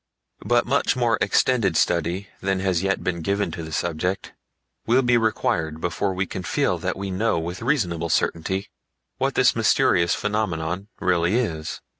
But much more extended study than has yet been given to the subject will be required before we can feel that we know with reasonable certainty what this mysterious phenomenon really is.